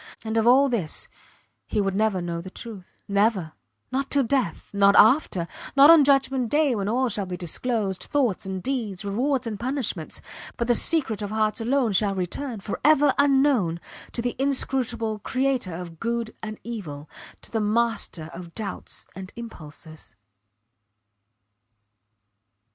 And of all this he would never know the truth. Never. Not till death not after not on judgment day when all shall be disclosed, thoughts and deeds, rewards and punishments, but the secret of hearts alone shall return, forever unknown, to the Inscrutable Creator of good and evil, to the Master of doubts and impulses.